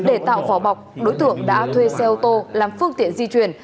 mà khai nhận để tạo vỏ bọc đối tượng đã thuê xe ô tô làm phương tiện di chuyển